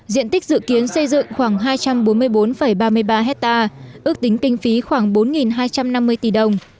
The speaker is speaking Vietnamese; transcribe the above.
diện tích dự kiến xây dựng khoảng hai trăm bốn mươi bốn ba mươi ba hectare ước tính kinh phí khoảng bốn hai trăm năm mươi tỷ đồng